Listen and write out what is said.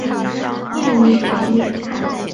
业余职业